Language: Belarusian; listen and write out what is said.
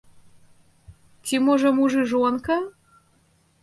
Ці можа муж і жонка?